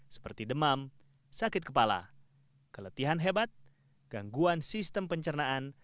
seperti demam sakit kepala keletihan hebat gangguan sistem pencernaan